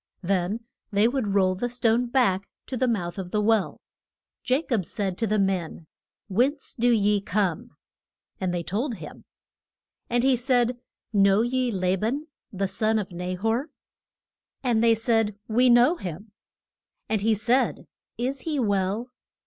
Then they would roll the stone back to the mouth of the well. Ja cob said to the men, Whence do ye come? And they told him. And he said, Know ye La ban, the son of Na hor? [Illustration: RA CHEL AND JA COB AT THE WELL.] And they said, We know him. And he said, Is he well?